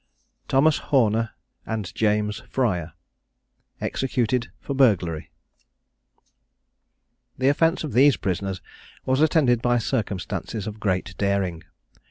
THOMAS HORNER AND JAMES FRYER, EXECUTED FOR BURGLARY. The offence of these prisoners was attended by circumstances of great daring.